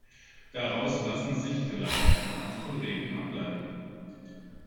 Daraus lassen sich vielleicht eine Handvoll Regeln ableiten.